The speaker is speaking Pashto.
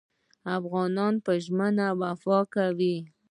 افغانان په ژمنه وفا کوي.